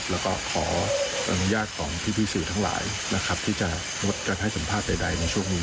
และขออนุญาตพี่สื่อทั้งหลายที่จะงดการให้สัมภาษณ์ใดในช่วงนี้